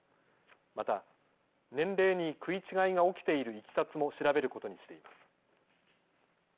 また年齢に食い違いが起きているいきさつも調べることにしています。